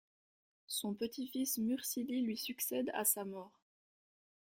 Son petit-fils Mursili lui succède à sa mort.